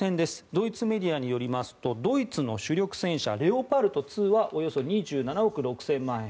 ドイツメディアによりますとドイツの主力戦車レオパルト２はおよそ２７億６０００万円。